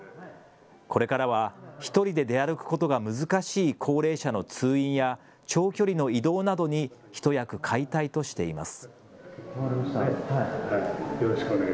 これからは１人で出歩くことが難しい高齢者の通院や長距離の移動などに一役買いたいとしています。